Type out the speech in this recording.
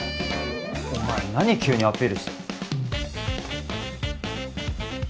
お前何急にアピールして。